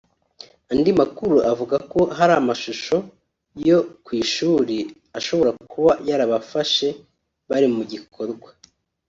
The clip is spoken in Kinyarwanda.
Andi makuru avuga ko hari amashusho yok u ishuli ashobora kuba yarabafashe bari mu gikorwa